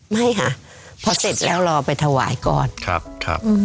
ไม่ค่ะพอเสร็จแล้วรอไปถวายก่อนครับครับ